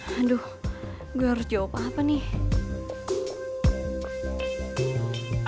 aduh gue harus jawab apa nih